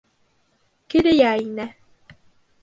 Керея инә.